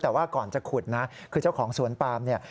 แต่ว่าก่อนจะขุดนะคือเจ้าของสวนปามเนี่ย